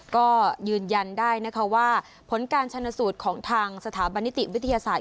ก็ยืนยันได้นะคะว่าผลการชนสูตรของทางสถาบันนิติวิทยาศาสตร์